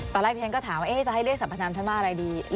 ตอนแรกแท้งก็ถามว่าจะให้เรียกสัมภาษณ์ทำท่านมาอะไรดี